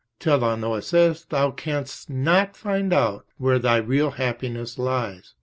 Till thou knowest this, thou canst not find out where thy real happiness lies.